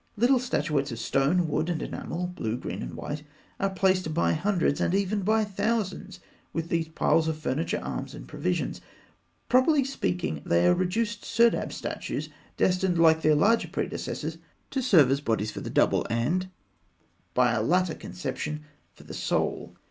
Little statuettes in stone, wood, and enamel blue, green, and white are placed by hundreds, and even by thousands, with these piles of furniture, arms, and provisions. Properly speaking, they are reduced serdab statues, destined, like their larger predecessors, to serve as bodies for the Double, and (by a later conception) for the Soul.